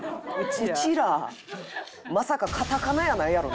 まさかカタカナやないやろうな？